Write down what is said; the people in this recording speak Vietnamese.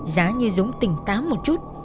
giá như dũng tỉnh tám một chút